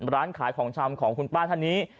ร้านขายของชำของคุณป้าท่านนี้